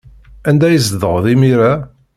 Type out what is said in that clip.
Anda ay tzedɣeḍ imir-a?